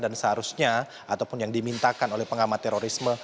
dan seharusnya ataupun yang dimintakan oleh pengamat terorisme